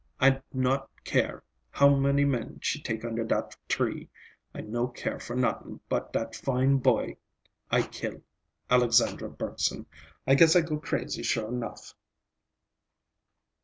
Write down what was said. I not care how many men she take under dat tree. I no care for not'ing but dat fine boy I kill, Alexandra Bergson. I guess I go crazy sure 'nough."